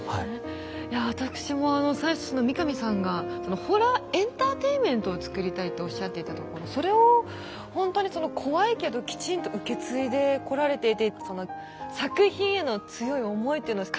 いやわたくしもあの最初三上さんが「ホラーエンターテインメントを作りたい」とおっしゃっていたところそれをほんとに怖いけどきちんと受け継いでこられていて作品への強い思いっていうのをかなり感じました。